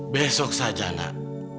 besok saja anak